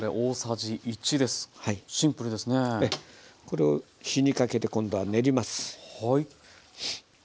これを火にかけて今度は練ります。